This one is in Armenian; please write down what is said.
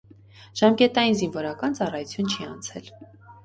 Ժամկետային զինվորական ծառայություն չի անցել։